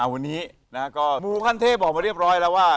วันนี้มูขั้นเทพบอกมาเรียบร้อยแล้วว่า